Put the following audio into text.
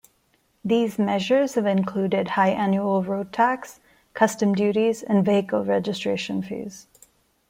These measures have included high annual road tax, custom duties and vehicle registration fees.